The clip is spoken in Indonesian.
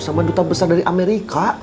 sama duta besar dari amerika